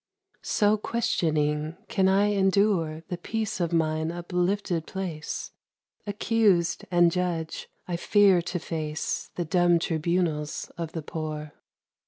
So questioning, can I endure The peace of mine uplifted place ? Accused and judge, I fear to face The dumb tribunals of the poor.